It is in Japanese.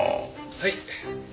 はい。